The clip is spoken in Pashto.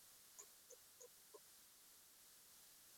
ساکټ، سویچ، جاینټ بکس او حفاظتي ټکي پکې شامل دي.